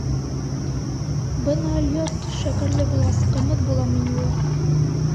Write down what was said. — Бына алйот, шәкәрле булғас, ҡымыҙ буламы ни ул?